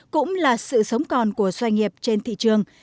cũng là sự sống còn của doanh nghiệp trên thị trường